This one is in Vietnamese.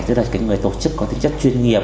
tức là cái người tổ chức có tính chất chuyên nghiệp